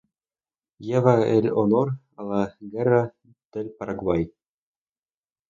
Lleva el Honor a la Guerra del Paraguay.